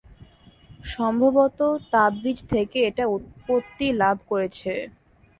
সম্ভবত তাবরিজ থেকে এটা উৎপত্তি লাভ করেছে।